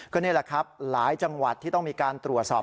ก็นี่แหละครับหลายจังหวัดที่ต้องมีการตรวจสอบ